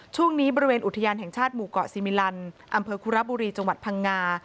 บริเวณอุทยานแห่งชาติหมู่เกาะซีมิลันอำเภอคุระบุรีจังหวัดพังงา